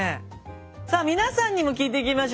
さあ皆さんにも聞いていきましょう。